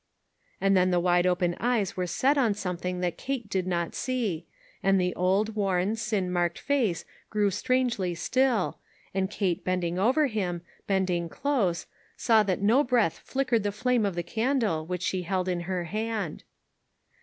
*' And then the wide open eyes were set on something that Kate did not see, and the old worn, sin marked face grew strangely still, and Kate bending over him, bending close, saw that no breath flickered the flame of the candle which she held in her hand.